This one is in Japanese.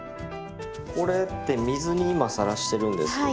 これって水に今さらしてるんですけど。